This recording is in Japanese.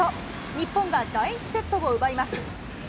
日本が第１セットを奪います。